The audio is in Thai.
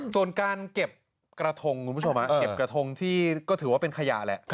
ส่วนการเก็บกระทงที่ก็ถือว่าเป็นขยาแหละ